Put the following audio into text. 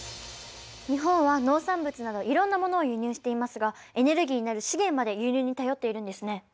日本は農産物などいろんなものを輸入していますがエネルギーになる資源まで輸入に頼っているんですね。